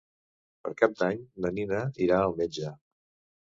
Per Cap d'Any na Nina irà al metge.